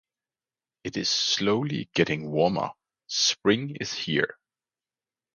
It's slowly getting warmer. Spring is here!